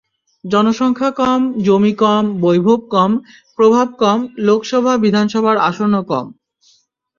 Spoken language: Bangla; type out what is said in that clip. জনসংখ্যা কম, জমি কম, বৈভব কম, প্রভাব কম, লোকসভা-বিধানসভার আসনও কম।